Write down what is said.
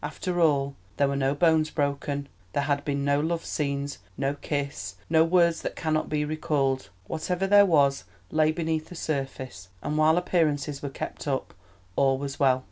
After all, there were no bones broken; there had been no love scenes, no kiss, no words that cannot be recalled; whatever there was lay beneath the surface, and while appearances were kept up all was well.